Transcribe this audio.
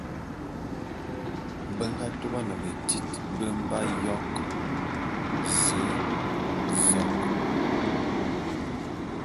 Be nga tôban betít be mbe ayok: Ze, zok...